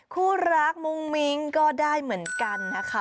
คู่รักมุ้งมิ้งก็ได้เหมือนกันนะคะ